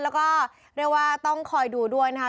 แล้วก็เรียกว่าต้องคอยดูด้วยนะคะ